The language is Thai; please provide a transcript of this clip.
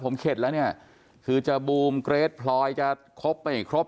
ผมเข็ดแล้วเนี่ยคือจะบูมเกรทพลอยจะครบไม่ครบ